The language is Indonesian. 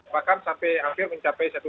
bahkan sampai hampir mencapai satu triliun